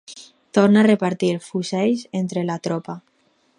Torna a repartir fusells entre la tropa.